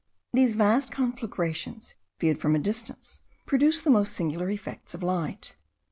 These vast conflagrations, viewed from a distance, produce the most singular effects of light.